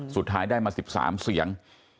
สุดท้ายได้มา๑๓เสียง